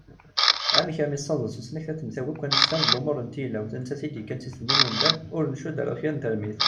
Amek armi tassaweḍ tusnakt ad temtawi akk annect-a d lumuṛ n tilawt, nettat i d-yekkan si tedmi n umdan, ur ncudd ɣer kra n termit?